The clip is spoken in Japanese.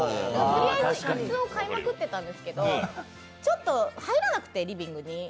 とりあえず椅子を買いまくってたんですけど、ちょっと入らなくて、リビングに。